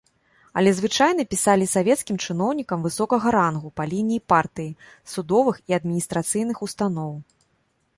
Але звычайна пісалі савецкім чыноўнікам высокага рангу па лініі партыі, судовых і адміністрацыйных устаноў.